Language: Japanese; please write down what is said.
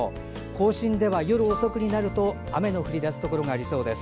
甲信では夜遅くになると雨の降り出すところがありそうです。